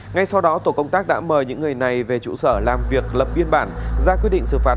ngay sau đó tổ công tác đã mời những người này về trụ sở làm việc lập biên bản ra quyết định xử phạt